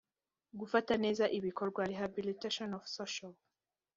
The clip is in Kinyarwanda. gufata neza ibikorwa rehabilitation of social